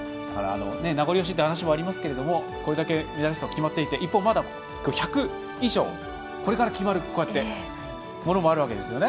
名残惜しいというお話もありますがこれだけメダリストが決まっていて一方、まだ１００以上これから決まるものもあるわけですよね。